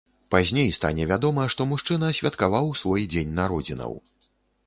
Пазней стане вядома, што мужчына святкаваў свой дзень народзінаў.